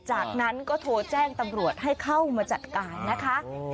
จากนั้นก็โทรแจ้งตำรวจให้เข้ามาจัดการนะคะ